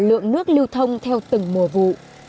lượng nước lưu thông theo từng mùa vụ